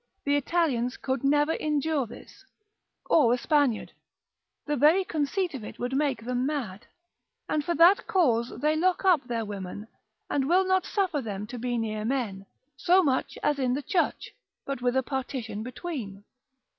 the Italians could never endure this, or a Spaniard, the very conceit of it would make him mad: and for that cause they lock up their women, and will not suffer them to be near men, so much as in the church, but with a partition between.